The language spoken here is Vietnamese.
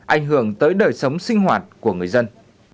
ảnh hưởng tới đời sống sinh hoạt của người dân